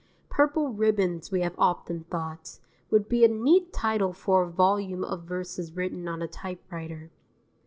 "Purple Ribbons" we have often thought, would be a neat title for a volume of verses written on a typewriter.